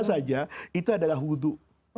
saja itu adalah hudu